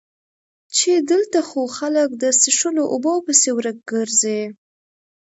چې دلته خو خلک د څښلو اوبو پسې ورک ګرځي